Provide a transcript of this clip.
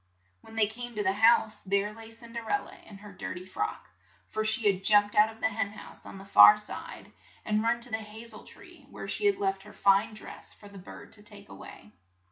When they came to the house, there lay Cin der el la in her dir ty frock, for she had jumped out of the hen house on the far side, and run to the ha zel tree, where she had left her fine dress for the bird to take a way.